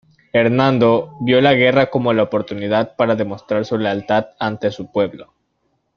Hernando vio la guerra como la oportunidad para demostrar su lealtad ante su pueblo.